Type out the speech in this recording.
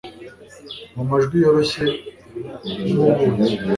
Mu majwi yoroshye nkubuki